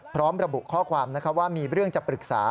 พร้อมระบุข้อความว่ามีเรื่องจะปรึกษา